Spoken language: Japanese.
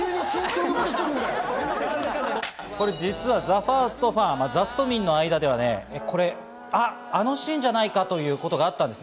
実はＴＨＥＦＩＲＳＴファン、ザスト民の間ではあのシーンじゃないかということがあったんです。